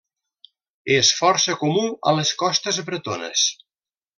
És força comú a les costes bretones.